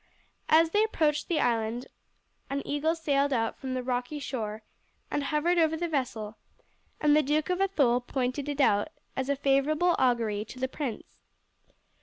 As they approached the island an eagle sailed out from the rocky shore and hovered over the vessel, and the Duke of Athole pointed it out as a favourable augury to the prince.